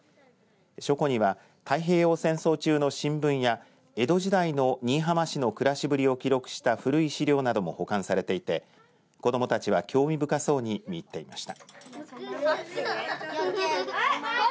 書庫には太平洋戦争中の新聞や江戸時代の新居浜市の暮らしぶりを記録した古い資料なども保管されていて子どもたちは興味深そうに見入っていました。